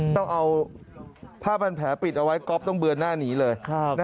ต้องเอาผ้าพันแผลปิดเอาไว้ก๊อฟต้องเบือนหน้าหนีเลย